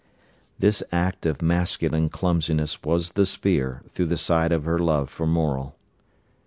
This act of masculine clumsiness was the spear through the side of her love for Morel.